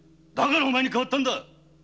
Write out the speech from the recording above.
だからお前に代わったんだ！